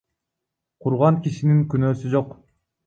Курган кишинин күнөөсү жок.